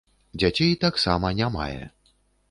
Дзяцей таксама не мае.